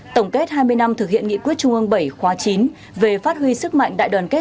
tổng kết hai mươi năm thực hiện nghị quyết trung ương bảy khóa chín về phát huy sức mạnh đại đoàn kết